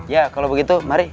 ya kalau begitu mari